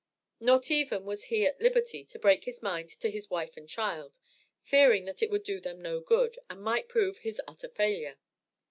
Not even was he at liberty to break his mind to his wife and child, fearing that it would do them no good, and might prove his utter failure.